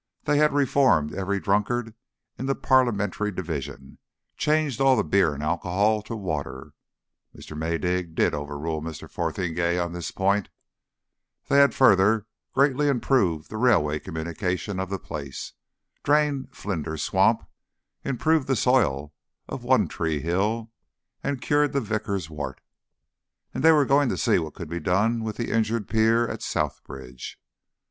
They had reformed every drunkard in the Parliamentary division, changed all the beer and alcohol to water (Mr. Maydig had overruled Mr. Fotheringay on this point); they had, further, greatly improved the railway communication of the place, drained Flinder's swamp, improved the soil of One Tree Hill, and cured the Vicar's wart. And they were going to see what could be done with the injured pier at South Bridge.